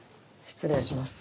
失礼します。